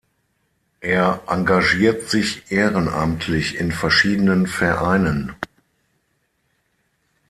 Er engagiert sich ehrenamtlich in verschiedenen Vereinen.